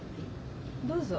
どうぞ。